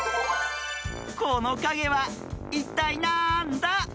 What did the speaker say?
このかげはいったいなんだ？